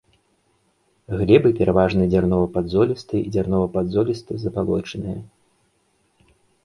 Глебы пераважна дзярнова-падзолістыя і дзярнова-падзолістыя забалочаныя.